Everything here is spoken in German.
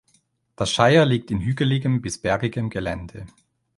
Das Shire liegt in hügeligem bis bergigem Gelände.